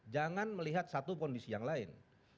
jangan melihat satu kondisi yang lain